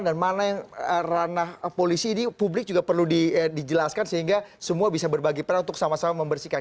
dan mana ranah polisi ini publik juga perlu dijelaskan sehingga semua bisa berbagi perang untuk sama sama membersihkan